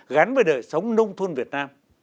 gắn với đời sống nông thôn việt nam